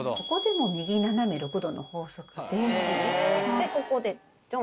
でここでチョン。